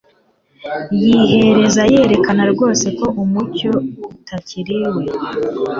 yiheza, yerekanaga rwose ko umucyo utakiriwe.